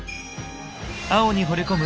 青にほれ込む